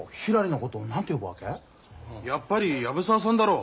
やっぱり藪沢さんだろう。